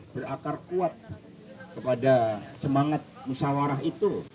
berakar kuat kepada semangat musawarah itu